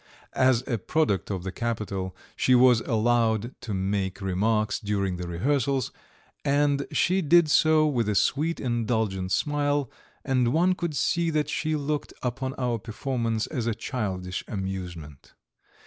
As a product of the capital she was allowed to make remarks during the rehearsals; and she did so with a sweet indulgent smile, and one could see that she looked upon our performance as a childish amusement.